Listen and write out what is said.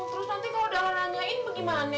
terus nanti kalau udah nanyain bagaimana